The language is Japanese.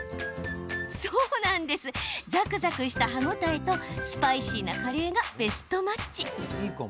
ザクザクした歯応えとスパイシーなカレーがベストマッチ。